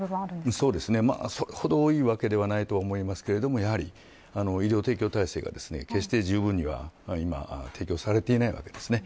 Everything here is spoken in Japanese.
それほど多いわけではないと思いますがやはり医療提供体制が決してじゅうぶんには提供されていないわけです。